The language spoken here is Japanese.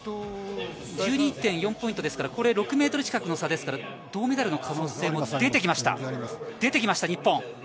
１２．４ポイントですから、６ｍ近くの差ですから、銅メダルの可能性も出てきました。